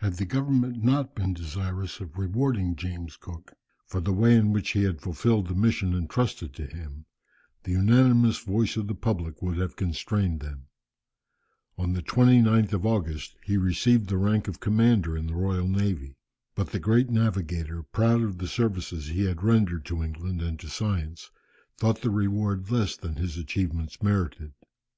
Had the government not been desirous of rewarding James Cook for the way in which he had fulfilled the mission entrusted to him, the unanimous voice of the public would have constrained them. On the 29th of August he received the rank of commander in the Royal Navy. But the great navigator, proud of the services he had rendered to England and to science, thought the reward less than his achievements merited.